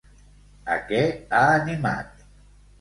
A què ha animat?